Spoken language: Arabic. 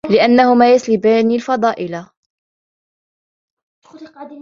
لِأَنَّهُمَا يَسْلُبَانِ الْفَضَائِلَ